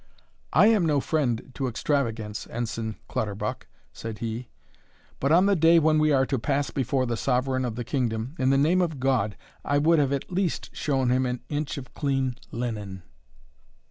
"I am no friend to extravagance, Ensign Clutterbuck," said he; "but, on the day when we are to pass before the Sovereign of the kingdom, in the name of God I would have at least shown him an inch of clean linen."